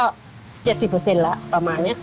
ก็๗๐แล้วประมาณนี้